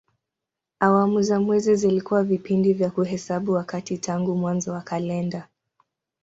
Awamu za mwezi zilikuwa vipindi vya kuhesabu wakati tangu mwanzo wa kalenda.